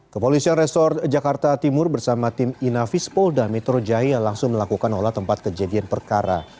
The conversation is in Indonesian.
kepolisian resort jakarta timur bersama tim inafis polda metro jaya langsung melakukan olah tempat kejadian perkara